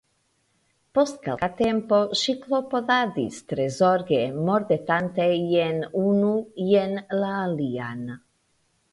Post kelka tempo, ŝi klopodadis tre zorge, mordetante jen unu jen la alian.